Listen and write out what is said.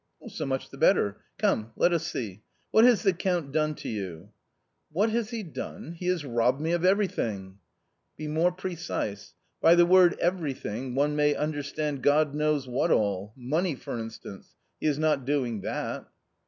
" So much the better ; come, let us see. What has the Count done to you ?"" What has he done ? He has robbed me of every thing." "Be more precise. By the word everything one may understand God knows what all — money, for instance ; he is not doing that."